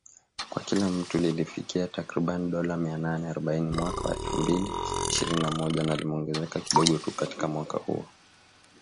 Kwa kila mtu lilifikia takriban dola mia nane arobaini mwaka wa elfu mbili ishirini na moja na limeongezeka kidogo tu katika mwaka huo.